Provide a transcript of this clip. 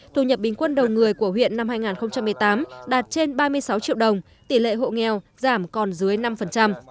thu nhập bình quân đầu người của huyện năm hai nghìn một mươi tám đạt trên ba mươi sáu triệu đồng tỷ lệ hộ nghèo giảm còn dưới năm